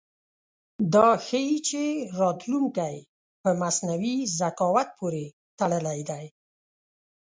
دا ښيي چې راتلونکی په مصنوعي ذکاوت پورې تړلی دی.